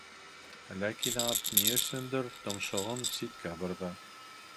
Ләкин ат ни өсөндөр томшоғон ситкә борҙо.